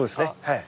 はい。